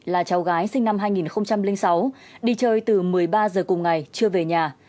là cháu gái sinh năm hai nghìn sáu đi chơi từ một mươi ba giờ cùng ngày chưa về nhà